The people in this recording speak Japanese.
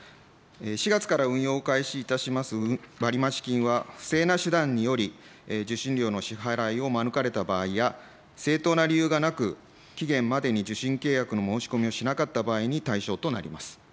４月から運用を開始いたします割増金は、不正な手段により受信料の支払いを免れた場合や、正当な理由がなく期限までに受信契約の申し込みをしなかった場合に対象となります。